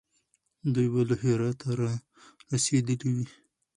دوی به له هراته را رسېدلي وي.